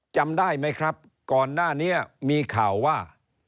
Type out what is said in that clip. จำได้ไหมครับก่อนหน้านี้มีข่าวว่า